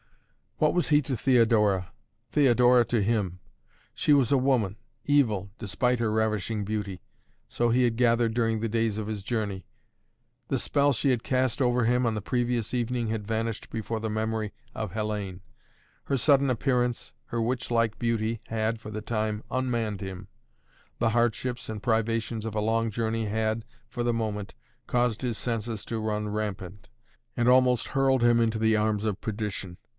What was he to Theodora Theodora to him? She was a woman, evil, despite her ravishing beauty, so he had gathered during the days of his journey. The spell she had cast over him on the previous evening had vanished before the memory of Hellayne. Her sudden appearance, her witch like beauty had, for the time, unmanned him. The hardships and privations of a long journey had, for the moment, caused his senses to run rampant, and almost hurled him into the arms of perdition.